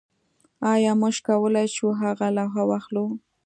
ایا موږ کولی شو هغه لوحه واخلو